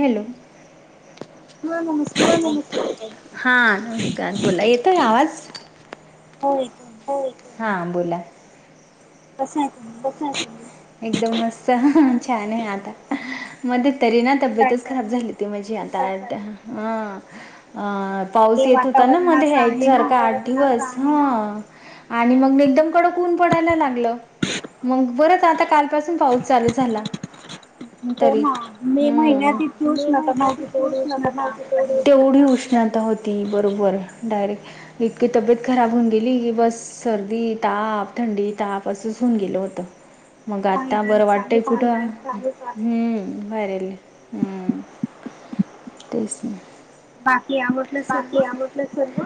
Hello ह नमस्कार न हा नमस्कार बोला येतोय आवाज हा बोला तस त एकदम मस्त छान आहे आता मध्ये तरी ना तब्येतच खराब झाली ती म्हझी आता हा अ पाऊस येत होताना मध्ये ह्यासारखं दिवस हा आणि मग एकदम कडकून पडायला लागलं ह मग बरच आता कालपासून पाऊस चालू झाला तरी हम् मे महिन्यातऊच ना तेवढी होऊ शक ञताा होती बरोबर डायरेक्ट इतकी तब्येत खराब होऊन गेली की बस सर्दी ताप थंडी ताप असं गेल होत मग आता बरं वाटतय कुठ आहे हम्म भरेल हम्म तेच नाही बाकी आ बाकी आमटलं सर्व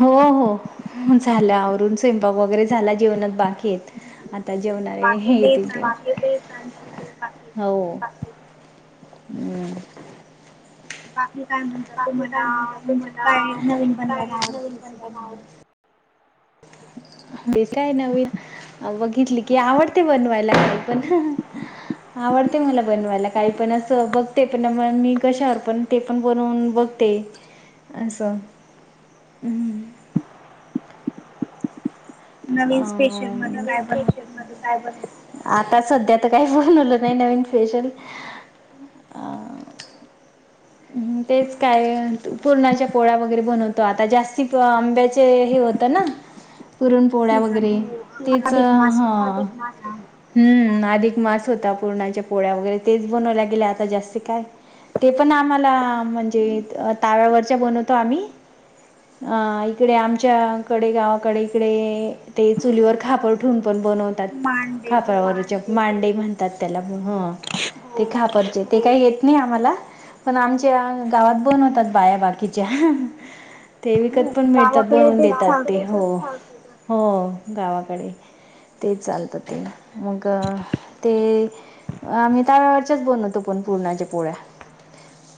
हो हो झाला औरुण स्वयंपा वगैरे झाला जीवनात बाकीेत आता जेवणारे हे येतील ते हो हम्म बाकी काय म्हणतात तुम्हाला म्हणजे काय नवीन बनवायला आवडते रेसिपी मध्ये बेस आहे नवीन बघितली की आवडते बनवायला नाही पण आवडते मला बनवायला काही पण असं बघ ते पण म मी कशावर पण ते पण बनवून बघते असं हमं अ आता सध्या तर काही फोनवल नाही नवीन फेशल तेच काय पुूरणाच्या पोळ्या वगैरे बनवतो आता जास्तीत आंब्याचे हे होतं ना ह पुरणपोळ्या वगैरे तेच हा हम्म अधिक मास होता पूरणाच्या पोळ्या वगैरे तेच बनवल्या गेले आता जास्त काय ते पण आम्हाला म्हणजे ताव्यावरच्या बनवतो आम्ही अ इकडे आमच्याकडे गावाकडे इकडे ते चुलीवर खापर कठून पण बनवतात खापरावर मांडे म्हणतात त्याला ते खपरज ते काही येत नाही आम्हाला पण आमच्या गावात बंद होतात बाया्या बाकीच्या ते विकत पण मिळतात बनवून देतात ते हो हो गावाकडे ते चालतं ते मग ते आम्ही त्यावेळेवरच्याच बनवतो पण पूर्णाच्या पोळ्या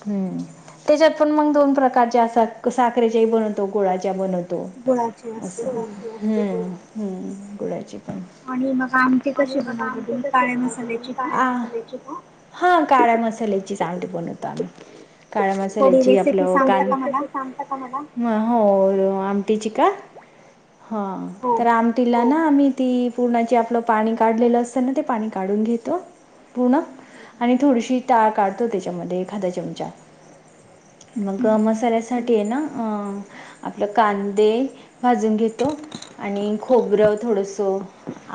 हम्म त्याच्यात पण मग दोन प्रकारच्या अस साखरेच्याही बनवतो गुळाच्या बनवतो अस्म् गुळाची आणि मग आमख कशी बनवते तुम्ही काययची का हा काळ्या मसाल्याची चगडी बनवतो आम्ही काळ्या मसाल्याची आपलं कान हो आमटीची का हा तर आमटी ना आम्ही ती पूर्णाची आपलं पाणी काढलेलं असत ना ते पाणी काढून घेतो पूर्ण आणि थोडीशी टाळ काढतो त्याच्यामध्ये एखाधा चमचा मग मसाल्यासाठी आहे ना अ आपलं कांदे भाजून घेतो आणि खोबरं थोडस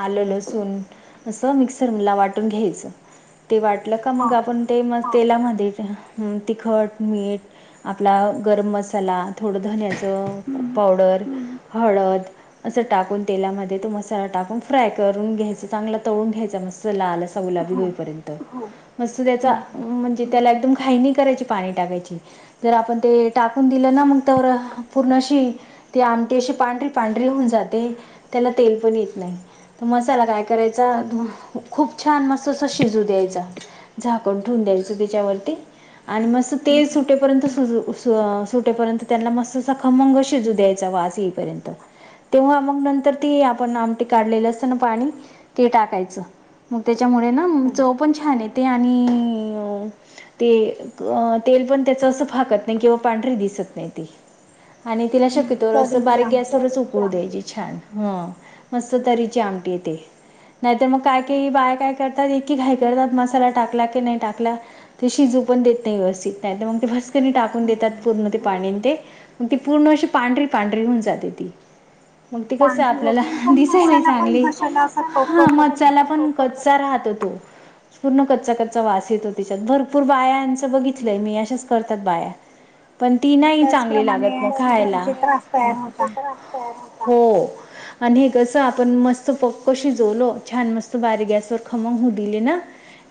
आलं लसण असं मिक्सरला वाटून घ्यायचं ते वाटलं का मग आपण ते म तेलामध्ये तिखट मीठ आपला गरम मसाला थोड धन पावडर हळद असं टाकून तेलामध्ये तो मसाला टाकून फ्राय करून घ्यायच चांगला तळून घ्यायचा मस्त लाल अस गुलाबी होईपर्यंत हो मस्त त्याचा म्हणजे त्याला तम खाई नाही करायची पाणी टाकायची जर आपण ते टाकून दिलं ना मग त्यावर पूर्णशी तेी आमटी अशी पांढरी पांढरी होऊन जाते त्याला तेल पण येत नाही त मसाला काय करायचा खूप छान मस्त अस शिजू द्यायचा झाकण ठेवून द्यायच त्याच्यावरती आणि मस्त तेल सुटे र्यंत सुटेपर्यंत त्यांना मस् खमंग शिजू द्यायचा वाज येईपर्यंत तेव्हा मग नंतर ती आपण आमटी काढलेली असत ना पाणी ते टाकायचं मग त्याच्यामुळे ना चव पण छान येते आणि ते तेल पण त्याच असं फाकत नाही किंवा पांढरी दिसत नाही ती आणि तिला शक्यतो अस बारीक गॅसवरच उकळू द्यायची छान ह मस्त तरीची आमटी येते नाहीतर मग काय का बाया काय करतात एककी काय करतात मसाला टाकला की नाही टाकला ते शिजू पण देत नाही व्यवस्थित नाही तर मग ते भसकणी टाकून देतात पूर्ण ते पाणी ते मग ती पूर्ण अशी पांढरी पांढरी होऊन जाते ती मग ते कस आपल्याला दिसायला आहे चांगली हा मचाला पण कच्चा राहत हो तो पूर्ण कच्चा कच्चा वास येतो त्याच्यात भरपूर भरपूर बाया यांचं बघितलंय मी अशाच करतात बाया पण ती नाही चांगली लागत मग खायला. हो. आणि हे कसं, आपण मस्त प शिजवलो. छान मस्त बारीक गॅसवर, खमंग होऊ दिले ना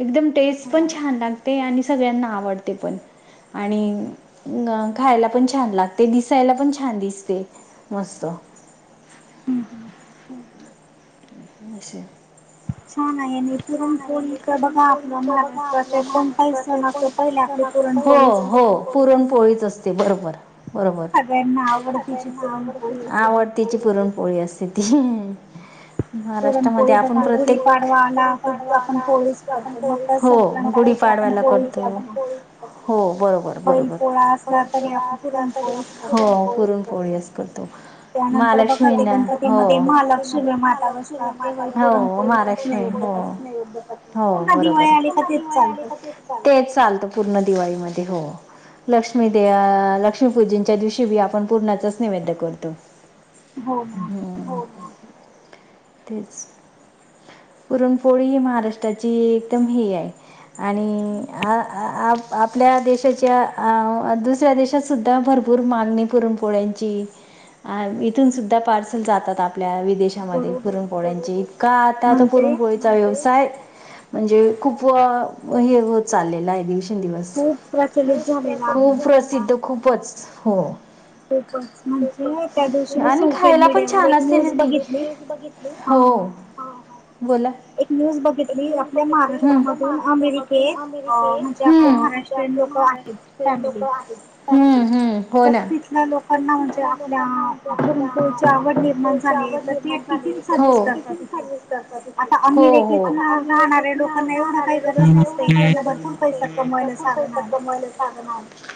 एकदम टेस्ट पण छान लागते. आणि सगळ्यांना आवडते पण. आणि गं खायला पण छान लागते. दिसायला पण छान दिसते. मस्त! [unintelligible] [unintelligible] [unintelligible] [unintelligible] हो हो पुरण पोळीच असते, बरोबर. बरोबर. [unintelligible] आवड तची पुरणपोळी असते ती. [unintelligible] महाराष्ट्रामध्ये आपण प्रत्येक [unintelligible] हो गुढी पाडव्याला करतो. हो. बरोबर, बरोबर. हो पुरण पोळी असते. करतो. त्यानंतर बघा ते, गणपती मध्ये महालक्ष्मी माता बसतात. तेव्हा ही पुरण पोळीच अस नैवेद्य करतो. पुन्हा दिवाळी आली का, तेच चालतं. तेच चालतं, पूर्ण दिवाळीमध्ये हो. लक्ष्मी दे अ लक्ष्मीपूजनच्या दिवशी बी आपण पूर्णाचाच नैवेद्य करतो. हो, हो. तेच. पुरणपोळी, ही महाराष्ट्राची एकदम ही य आणि आ आ आ आ आप आपल्या देशाच्या, आ दुसऱ्या देशात सुद्धा भरपू पूर मागणी पुरण पोळ्यांची. आन इथून सुद्धा पार्सल जातात आपल्या वि देशामध्ये, पुरण पोळ्यांची. इतका आता तो त्याचा व्यवसाय, म्हणजे खूप व हे होत चाललेलाय दिवस दिवस. खूप प्रसिद्ध खूपच, हो. आणि खायला पण छान असते ना, ती. हो, बोला. एक न्यूज बघितली. [unintelligible] महाराष्ट्रामधून अमेरिके. म्हणजे आपले महाराष्ट्र ष्ट्रीयन लोकं आहेत. हम्म, हम्म. हो ना. [unintelligible] लोकांना म्हणजे आपल्या पुरण पोळीची आवड निर्माण [unintelligible] हो. [unintelligible] [unintelligible] हो, हो. [unintelligible] लोकांना एवढं काही गरज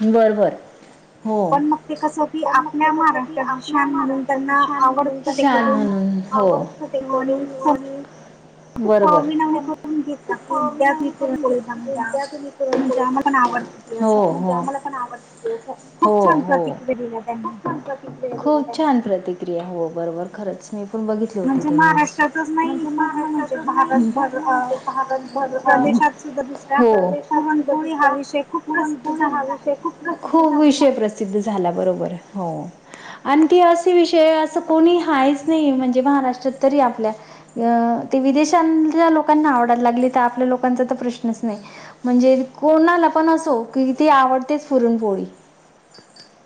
[unintelligible] बर, बर. हो. पण मग ते कस की, आपल्या महाराष्ट्रची म्हणून शान म्हणून, हो. [unintelligible] [inaudible] [unintelligible] हो, हो. आम्हाला पण आवडते. हो, हो. [unintelligible] [unintelligible] खूप छान प्रतिक्रिया, हो. बरोबर. खरंच, मी पण बघितली होती ती न्यूज. म्हणजे महाराष्ट्रातच नाही, तर पूर्ण भारतभर [unintelligible] हो. [unintelligible] पुरण पोळीहा विषय खूप खूप विषय प्रसिद्ध झाला बरोबर. हो. आणि त असे विषय असं कोणी हायच नाही. म्हणजे, महाराष्ट्रात तरी आपल्या. अ ते विदेशांतल्या लोकांना आवडाला लागले. तर आपल्या लोकांचा तर प्रश्नच नाही. म्हणजे कोणाला पण असो, की ती आवडतेच, पुरणपोळी.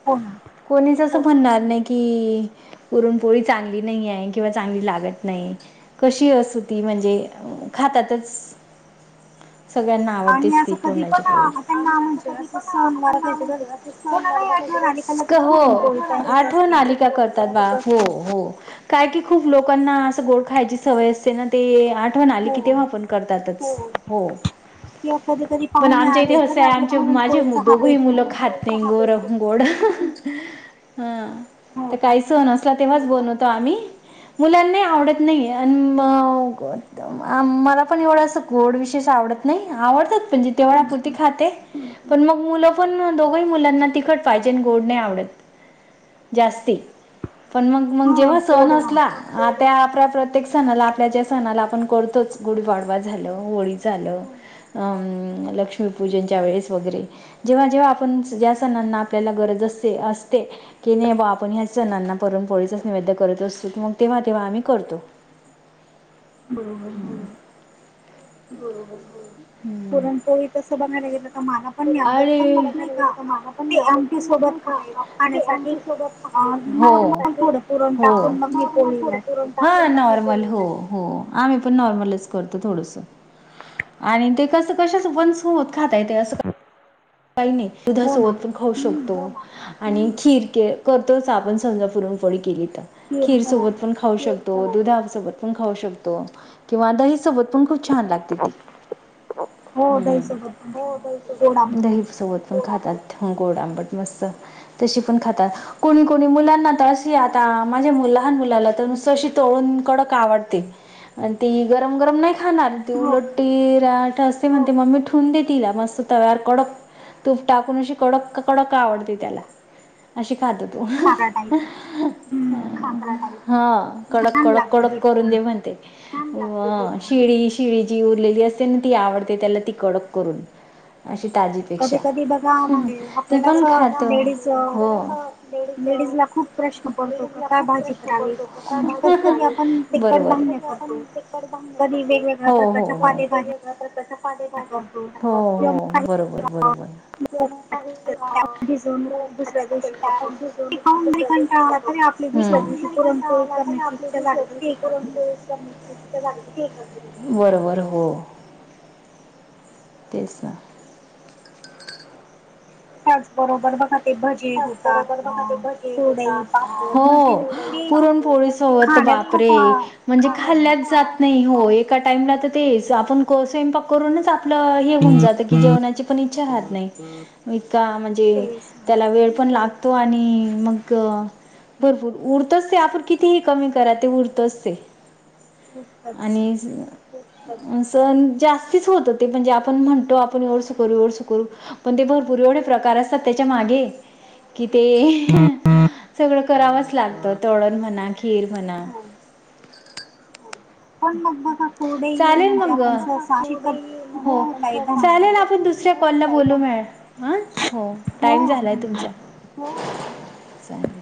हो, ना. कोणीच असं म्हणणार नाही, कि पुरणपोळी चांगली नाही य. किंवा चांगली लागत नाही. कशी असो ती. म्हणजे, खातातच. सगळ्यांना आवडतेच ती पुरणाची पोळी कधी पण हो आठव नालिका करतात बाप हो हो काय की खूप लोकांना असं गोड खायची सवय असते ना ते आठवण आली कितीव्हा आपण करतातच हो पण आमच्या इथे असं आहे आमचे माझे दोघही मुलं खात तेंगूर गोड ह ते काही स नला तेव्हाच बनवतो आम्ही मुलांना आवडत नाही मला पण एवढं अस गोड विशेष आवडत नाही आवडतात पणजे तेवढ आपुती खाते पण मग मुलं पण दोघही मुलांना तिखट पाहिजे आणि गोड नाही आवडत जास्ती पण मग मग जेव्हा सण असला त्या आपल्या प्रत्येक सणाला आपल्या ज्या सणाला आपण करतोच गुढपाडवा झालं होळी झालं. अं लक्ष्मीपूजनच्या वेळेस वगैरे जेव्हा जेव्हा आपण ज्या सणांना आपल्याला गरज असते असते. की नाही बा आपण ह्याच सणांना परून पोळीसच निवेद करत असतो मग तेव्हा तेव्हा आम्ही करतो. हो हो. पुणपो तसं बघायला गेलं तर मला. अरे माझा पणवडत पण नाही का ते आमच्या सोबत. हो हो हा नॉर्मल हो. हो आम्ही पण नॉर्मलच करतो थोडस. आणि ते कसं कशच वंस होत खाताय ते असं. काही नाही दुधासोबत पण खाऊ शकतो. आणि खीर के करतोच आपण समजा पुरणफोळी केली तर खीर सोबत पण. खाऊ शकतो दुधासोबत पण खाऊ शकतो किंवा दही सोबत पण खूप छान लागत. हम् द. चवत पण खातात गोड आंबट मस्त तशी पण खातात. कोणी कोणी मुलांना तळस आता माझ्या लहान मुलाला तर नुसतंशी तोळून कडक आवडते. आणि ती गरम गरम नाही. खाणार देीलटीराट असे म्हणते मम्मी ठेवून दे तिला मस्त त्यार. कडक तूप टाकून अशी कडक कडक्क आवडते त्याला. अशी खात तू. हा कडक कडक कडक करून दे म्हणते. शिळी शिळी जी उरलेली असते ना ती आवडते त्याला ती कडक करून. अशी ताजीपेक्षा ती पण खातो हो. डी बेडीला खूप प्रश्न पडतो का. बरोबर हो हो हो. हो हो. बरोबर बरोबर. एकां घंटा आला तरी आपली दुसऱ्या दिवशी पुरणपोळी करण्याची इच्छा झाली तर ते करतील बघ. बरबर हो. तेच ना त्याच बरोबर बघा. घ हो. त बापरे म्हणजे खाल्ल्यात जात. नाही हो एका टाइमला तर तेच आपण स्वयंपाक करूनच आपलं हे होऊन जातं की जेवणाची. इचछा रा नाही इ. तेस वेळ पण लागतो आणि मग. भरपूर उरतोच ते आपण कितीही कमी करा ते उरतोच ते. आणि. सण जास्तीच होत ते म्हणजे आपण म्हणतो आपण एवढ सु करू एवढ सु करू. पण ते भरपूर एवढे प्रकार असतात त्याच्या मागे. कि ते सगळ करावच लागत. तळण म्हणा खीर म्हणा. हम. चालेल मंग हो चालेल आपण दुसर. दुसऱ्या कॉलला बोलू मग ह हो टाइम झालाय तुमचा. हो चालेल.